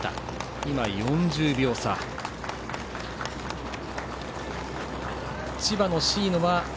今、４０秒差です。